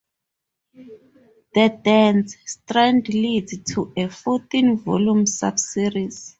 The "Dance" strand lead to a fourteen volume subseries.